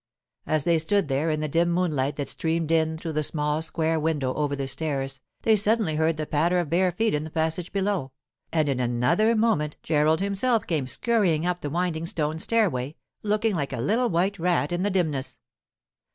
As they stood there in the dim moonlight that streamed in through the small square window over the stairs they suddenly heard the patter of bare feet in the passage below, and in another moment Gerald himself came scurrying up the winding stone stairway, looking like a little white rat in the dimness.